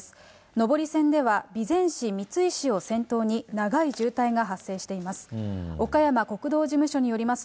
上り線では、備前市みついしを先頭に長い渋滞が発生しています。